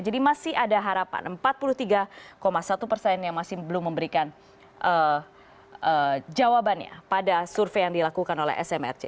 jadi masih ada harapan empat puluh tiga satu persen yang masih belum memberikan jawabannya pada survei yang dilakukan oleh smrc